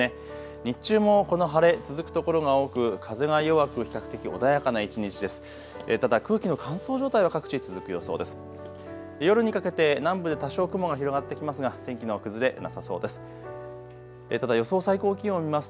日中もこの晴れ、続くところが多く風が弱く比較的穏やかな一日です。